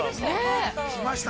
◆来ましたね。